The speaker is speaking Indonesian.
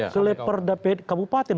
ke lepel kabupaten